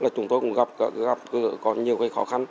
chúng tôi cũng gặp nhiều khó khăn